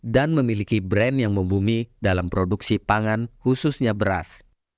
dan memiliki brand yang membumi dalam produksi pangan khususnya beras